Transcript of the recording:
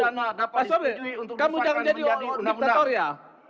kamu jangan jadi orang orang di dator ya